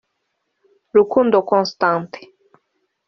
Rukundo Constantin